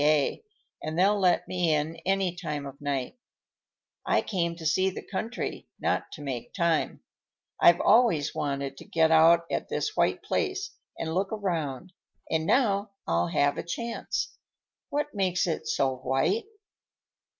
W.C.A., and they'll let me in any time of night. I came to see the country, not to make time. I've always wanted to get out at this white place and look around, and now I'll have a chance. What makes it so white?"